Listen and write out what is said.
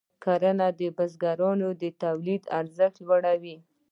کرنه د بزګرانو د تولیداتو ارزښت لوړوي.